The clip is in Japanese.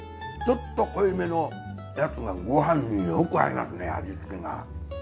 ちょっと濃い目のやつがご飯によく合いますね味付けが。